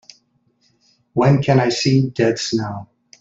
when can I see Dead Snow